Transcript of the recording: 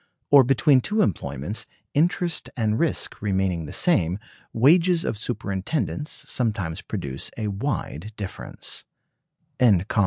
Or between two employments, interest and risk remaining the same, wages of superintendence sometimes produce a wide difference.